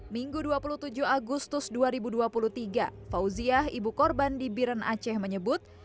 minggu dua puluh tujuh agustus dua ribu dua puluh tiga fauziah ibu korban di biren aceh menyebut